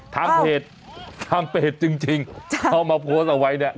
ทางเพจทางเพจจริงเอามาโพสต์เอาไว้เนี่ย